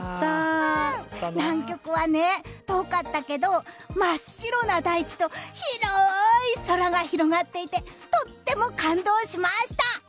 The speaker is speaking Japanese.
南極は遠かったけど真っ白な大地と広い空が広がっていてとても感動しました！